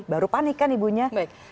baru panik kan ibunya